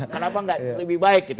kenapa nggak lebih baik gitu